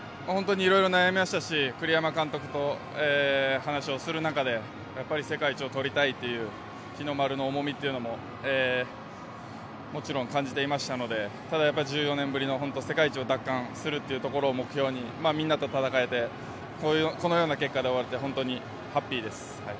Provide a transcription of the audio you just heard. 色々悩みましたし栗山監督と話をする中で世界一を取りたいという日の丸の重みというのももちろん感じていましたのでただ、１４年ぶりの世界一を奪還するというところを目標にみんなと戦えてこのような結果で終われて本当にハッピーです。